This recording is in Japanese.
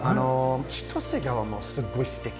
千歳川もすごいすてき。